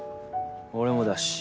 俺もだし。